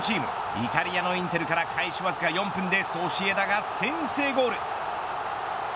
イタリアのインテルから開始わずか４分でソシエダが先制ゴール。